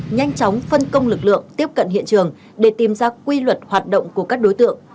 nhanh chóng phân công lực lượng tiếp cận hiện trường để tìm ra quy luật hoạt động của các đối tượng